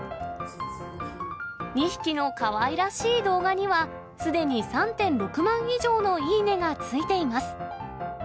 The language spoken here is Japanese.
２匹のかわいらしい動画には、すでに３．６万以上のいいねがついています。